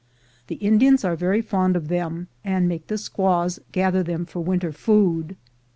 The Indians are very fond of them, and make the squaws gather them for winter food.